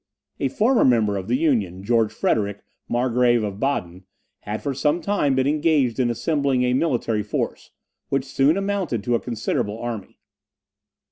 A former member of the Union, George Frederick, Margrave of Baden, had for some time been engaged in assembling a military force, which soon amounted to a considerable army.